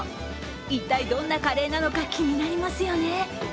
いったい、どんなカレーなのか気になりますよね。